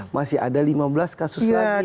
masih ada lima belas kasus lagi